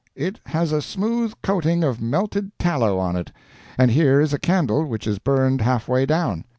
"It has a smooth coating of melted tallow on it. And here is a candle which is burned half way down.